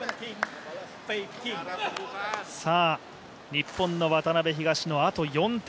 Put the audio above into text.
日本の渡辺・東野、あと４点